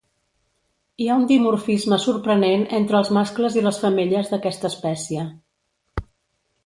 Hi ha un dimorfisme sorprenent entre els mascles i les femelles d'aquesta espècie.